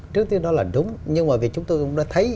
trước tiên đó là đúng nhưng mà vì chúng tôi cũng đã thấy